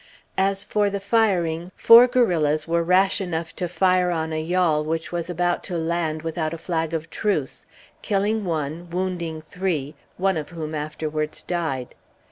As for the firing, four guerrillas were rash enough to fire on a yawl which was about to land without a flag of truce, killing one, wounding three, one of whom afterwards died.